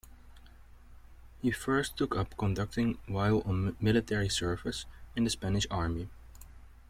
He first took up conducting while on military service in the Spanish Army.